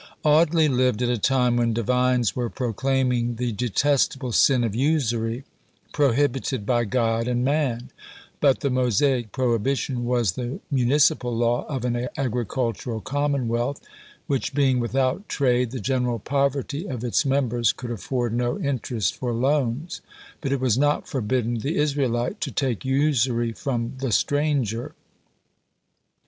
Audley lived at a time when divines were proclaiming "the detestable sin of Usury," prohibited by God and man; but the Mosaic prohibition was the municipal law of an agricultural commonwealth, which being without trade, the general poverty of its members could afford no interest for loans; but it was not forbidden the Israelite to take usury from "the stranger."